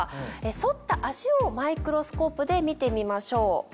剃った脚をマイクロスコープで見てみましょう。